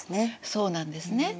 そうなんですね。